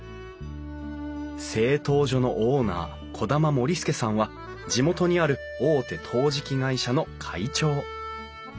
製陶所のオーナー兒玉盛介さんは地元にある大手陶磁器会社の会長。